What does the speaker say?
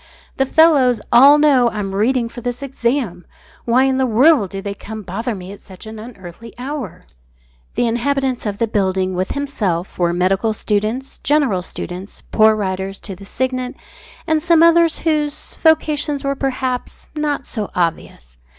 "The fellows all know I'm reading for this exam. Why in the world do they come to bother me at such an unearthly hour?" The inhabitants of the building, with himself, were medical students, general students, poor Writers to the Signet, and some others whose vocations were perhaps not so obvious.